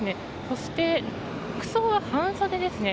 そして、服装は半袖ですね。